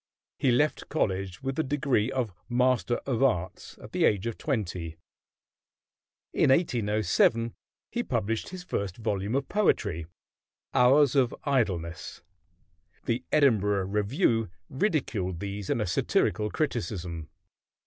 He left college with the degree of Master of Arts at the age of twenty. In 1807 he published his first volume of poetry, "Hours of Idleness." The Edinburgh Review ridiculed these in a satirical criticism.